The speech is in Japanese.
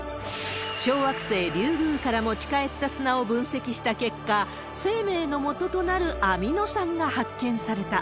小惑星リュウグウから持ち帰った砂を分析した結果、生命のもととなるアミノ酸が発見された。